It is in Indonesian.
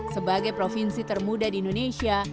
sebagai provinsi termuda di indonesia